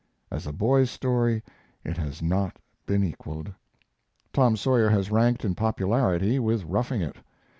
As a boy's story it has not been equaled. Tom Sawyer has ranked in popularity with Roughing It.